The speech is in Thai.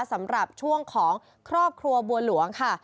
สำหรับช่วงของครอบครัวบัวหลวงค่ะ